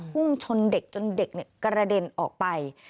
พุ่งชนเด็กจนเด็กกระเด็นออกไป